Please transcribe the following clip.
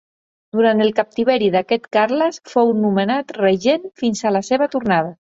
Durant el captiveri d'aquest Carles fou nomenat regent fins a la seva tornada.